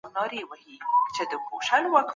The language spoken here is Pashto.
د افغانستان پېښې پرله پسې ډېرې ورانې راغلې.